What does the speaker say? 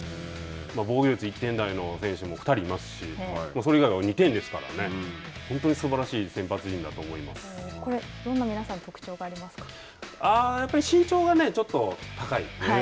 防御率１点台の選手も２人いますし、それ以外は２点ですから、本当にすばらしい先発陣だと思い皆さん、どんな特徴がやっぱり身長がちょっと高い。